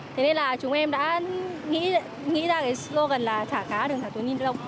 thế nên là chúng em đã nghĩ ra gần là thả cá đừng thả túi ni lông